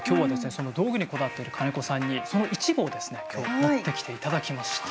その道具にこだわってる金子さんにその一部をですね今日持ってきていただきました。